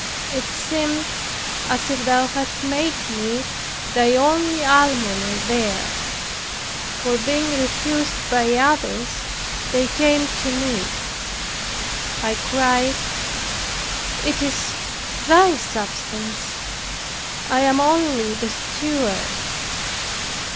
It seemed as if Thou hadst made me thy only almoner there, for being refused by others, they came to me. I cried, "it is Thy substance; I am only the steward.